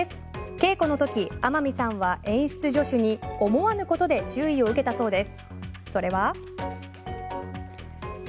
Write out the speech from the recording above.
稽古のとき天海さんは演出助手に思わぬことで注意を受けたそうです。